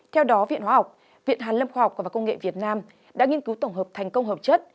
theo đó viện hóa học viện hàn lâm khoa học và công nghệ việt nam đã nghiên cứu tổng hợp thành công hợp chất